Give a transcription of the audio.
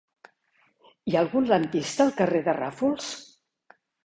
Hi ha algun lampista al carrer de Ràfols?